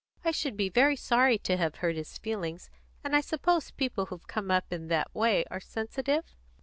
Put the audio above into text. I should be very sorry to have hurt his feelings, and I suppose people who've come up in that way are sensitive?"